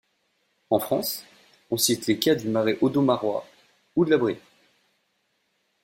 En France, on cite les cas du marais audomarois ou de la Brière.